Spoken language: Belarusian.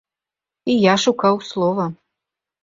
І я шукаў слова.